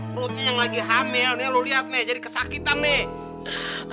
perutnya yang lagi hamil nih lo lihat nih jadi kesakitan nih